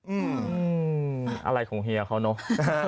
อะไรของเฮียเขาเนอะ